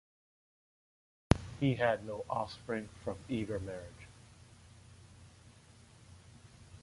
He had no offspring from either marriage.